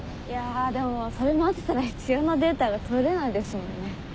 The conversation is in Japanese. いやでもそれ待ってたら必要なデータが取れないですもんね。